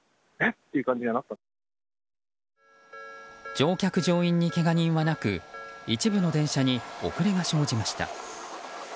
乗客・乗員にけが人はなく一部の電車に遅れが生じました。